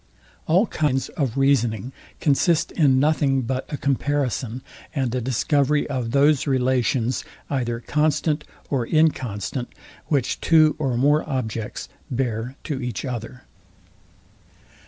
All kinds of reasoning consist in nothing but a comparison, and a discovery of those relations, either constant or inconstant, which two or more objects bear to each other.